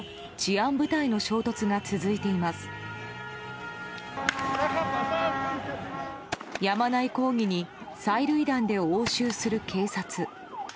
やまない抗議に催涙弾で応酬する警察。